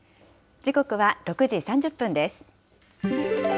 時刻は６時３０分です。